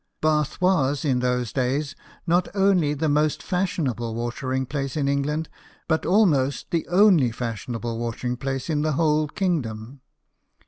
Bath was in those days not only the most fashionable watering place in England, but almost the only fashion able watering place in the whole kingdom.